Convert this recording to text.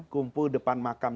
kumpul depan makam